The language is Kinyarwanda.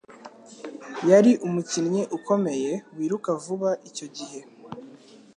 Yari umukinnyi ukomeye, wiruka vuba icyo gihe.